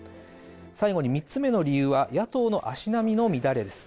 最後に３つ目の理由は、野党の足並みの乱れです。